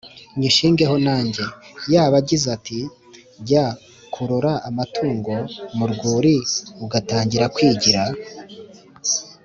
Nyishingeho nanjye"Yaba agize ati "jya kurora Amatungo mu rwuri Ugatangira kwigira